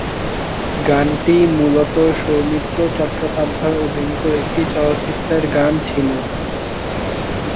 গানটি মূলত সৌমিত্র চট্টোপাধ্যায় অভিনীত একটি চলচ্চিত্রের গান ছিল।